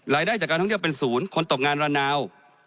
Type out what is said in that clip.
รายได้จากการท่องเที่ยวเป็นศูนย์คนตกงานระนาว